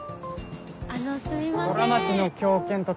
あのすみません。